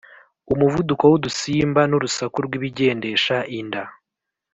umuvuduko w’udusimba n’urusaku rw’ibigendesha inda,